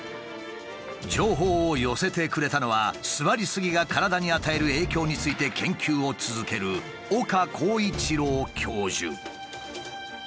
情報を寄せてくれたのは座りすぎが体に与える影響について研究を続ける岡浩一朗教授。